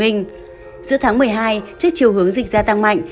giữa tháng một mươi hai trước chiều hướng dịch gia tăng mạnh